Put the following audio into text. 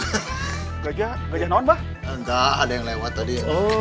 enggak ada yang lewat tadi